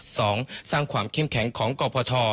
สองสร้างความเข้มแข็งของกรพท